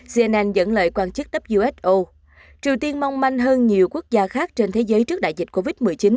cnn dẫn lời quan chức who triều tiên mong manh hơn nhiều quốc gia khác trên thế giới trước đại dịch covid một mươi chín